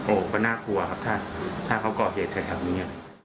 โอ้โหก็น่ากลัวครับถ้าเขาก่อเหตุแถวนี้